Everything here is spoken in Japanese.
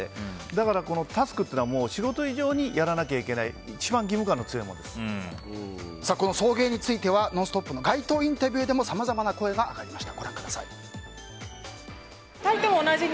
だから、タスクというのは仕事以上にやらなきゃいけないこの送迎については「ノンストップ！」の街頭インタビューでもさまざまな声が上がりました。